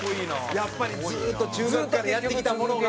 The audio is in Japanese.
やっぱりずーっと中学からやってきたものが。